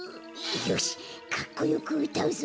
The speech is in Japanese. よしかっこよくうたうぞ。